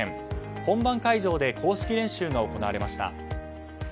本番会場で公式練習が行われました。